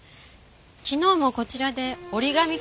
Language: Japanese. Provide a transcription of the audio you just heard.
昨日もこちらで折り紙教室を。